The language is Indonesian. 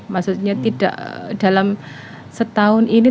maksudnya tidak dalam setahun ini